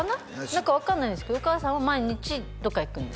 何か分かんないんですけどお母さんは毎日どっか行くんです